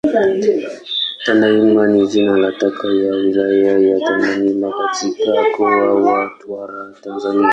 Tandahimba ni jina la kata ya Wilaya ya Tandahimba katika Mkoa wa Mtwara, Tanzania.